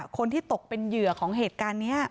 คนที่ตกเป็นเหยื่อของเหตุการณ์นี้